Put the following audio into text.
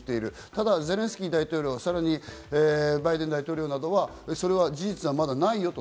ただゼレンスキー大統領やバイデン大統領などはそんな事実はないよと。